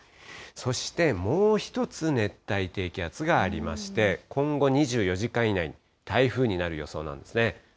そしてもう１つ熱帯低気圧がありまして、今後２４時間以内に台風になる予想なんですね。